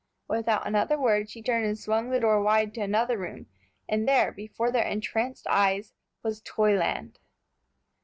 Without another word, she turned and swung the door wide to another room, and there, before their entranced eyes, was toyland!